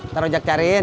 ntar ojak cariin